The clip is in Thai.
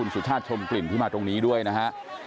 สุชาติชมกลิ่นที่มาตรงนี้ด้วยนะฮะ